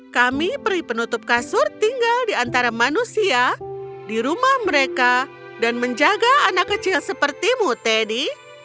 kami beri penutup kasur tinggal di antara manusia di rumah mereka dan menjaga anak kecil sepertimu teddy